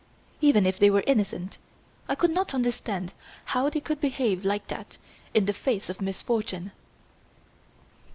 Even if they were innocent, I could not understand how they could behave like that in the face of misfortune.